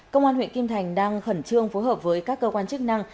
công an huyện kim thành đang khẩn trương phối hợp với các cơ quan chức năng